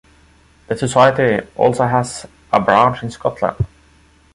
The Society also has a branch in Scotland.